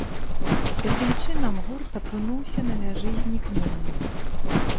Такім чынам, гурт апынуўся на мяжы знікнення.